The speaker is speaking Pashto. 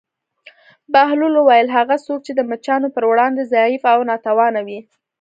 بهلول وویل: هغه څوک چې د مچانو پر وړاندې ضعیف او ناتوانه وي.